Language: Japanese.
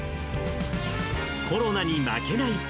コロナに負けない！